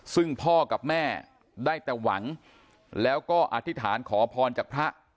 ซึ่งพ่อกับแม่ได้แต่หวังแล้วก็อธิษฐานขอพรจากพระ